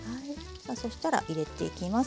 さあそしたら入れていきます。